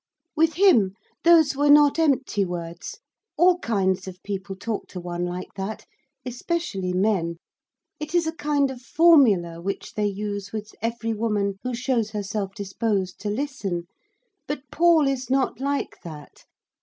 With him those were not empty words. All kinds of people talk to one like that, especially men; it is a kind of formula which they use with every woman who shows herself disposed to listen. But Paul is not like that.